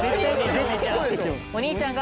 お兄ちゃん！